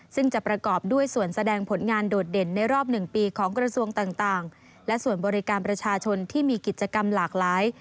ซึ่งจะประกอบด้วยส่วนแสดงผลงานโดดเด่นในรอบ๑ปีของกระทรวงต่างและส่วนบริการประชาชนที่มีกิจกรรมหลากหลาย